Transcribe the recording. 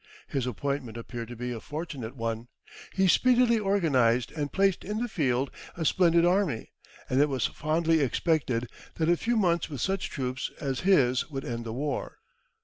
His appointment appeared to be a fortunate one. He speedily organised and placed in the field a splendid army, and it was fondly expected that a few months with such troops as his would end the war.